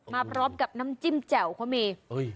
มาพร้อมกับน้ำจิ้มแจ่วเขามี